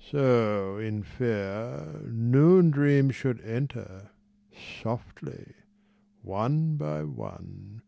So, in fear, 194 Noon dreams should enter, softly, one by one.